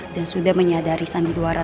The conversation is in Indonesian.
dan sudah menyadari sandi duara tadi